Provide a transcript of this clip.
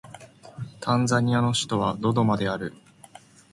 タンザニアの首都はドドマである